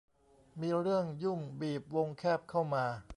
มีเรื่องยุ่งบีบวงแคบเข้ามา